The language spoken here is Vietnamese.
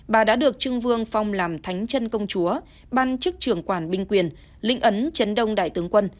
bà đã được trưng vương phong làm thánh trân công chúa ban chức trưởng quản binh quyền lĩnh ấn trấn đông đại tướng quân